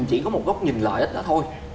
chỉ có một góc nhìn lợi ích đó thôi